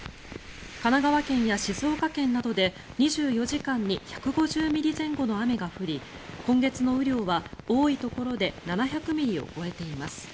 神奈川県や静岡県などで２４時間に１５０ミリ前後の雨が降り今月の雨量は多いところで７００ミリを超えています。